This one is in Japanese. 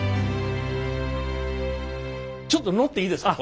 ちょっと乗っていいですか？